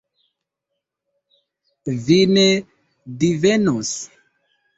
Vi ne divenos.